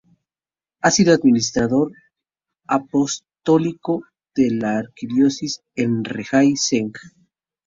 Ha sido administrador apostólico de la archidiócesis de Rijeka-Senj.